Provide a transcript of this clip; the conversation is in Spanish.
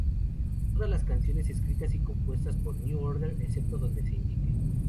Todas las canciones escritas y compuestas por New Order; excepto donde se indique.